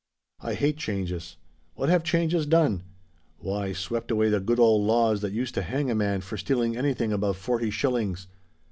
I hate changes. What have changes done? Why swept away the good old laws that used to hang a man for stealing anything above forty shillings.